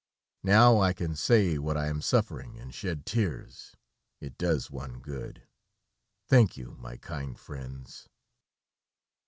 Now I can say what I am suffering and shed tears; it does one good. Thank you, my kind friends."